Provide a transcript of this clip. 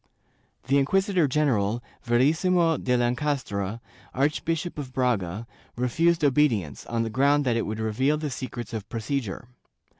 The inquisitor general, Verissimo de Lencastre, Archbishop of Braga, refused obedience, on the ground that it would reveal the secrets of procedure.